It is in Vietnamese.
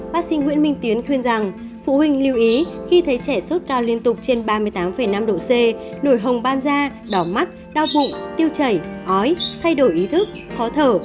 bác sĩ nguyễn minh tiến khuyên rằng phụ huynh lưu ý khi thấy trẻ sốt cao liên tục trên ba mươi tám năm độ c nổi hồng ban da đỏ mắt đau bụng tiêu chảy ói thay đổi ý thức khó thở